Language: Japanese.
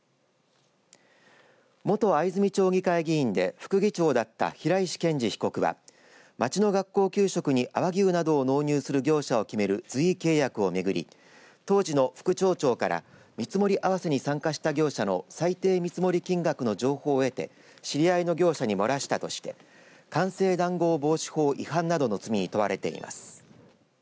元藍住町議会議員で副議長だった平石賢治被告は町の学校給食に阿波牛などを納入する業者を決める随意契約を巡り当時の副町長から見積もり合わせに参加した業者の最低見積もり金額の情報を得て知り合いの業者に漏らしたとして官製談合防止法違反などの罪に問われています。